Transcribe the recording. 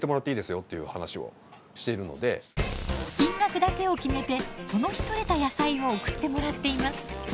金額だけを決めてその日とれた野菜を送ってもらっています。